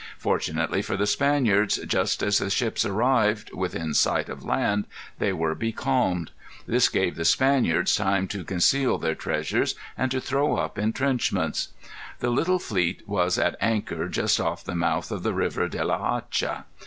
Fortunately for the Spaniards, just as the ships arrived within sight of land, they were becalmed. This gave the Spaniards time to conceal their treasures and to throw up intrenchments. The little fleet was at anchor just off the mouth of the river De la Hacha.